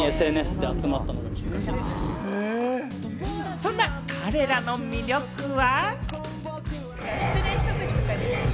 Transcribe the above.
そんな彼らの魅力は。